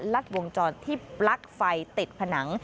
ดวงจรที่ปลั๊กไฟติดผนัง